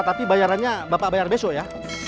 tapi bayarannya bapak bayar besok ya